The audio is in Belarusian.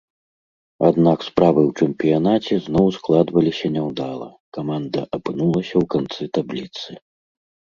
Аднак справы ў чэмпіянаце зноў складваліся няўдала, каманда апынулася ў канцы табліцы.